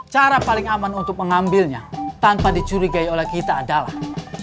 cara paling aman untuk mengambilnya tanpa dicurigai oleh kita adalah